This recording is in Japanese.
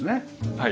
はい。